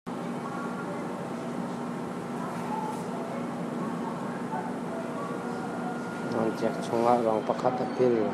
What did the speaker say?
Nawncek chungah rang pakhat a pil.